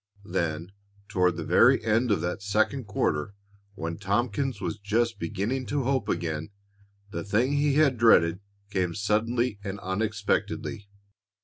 Then, toward the very end of that second quarter, when Tompkins was just beginning to hope again, the thing he had dreaded came suddenly and unexpectedly.